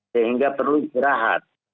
sehingga perlu istirahat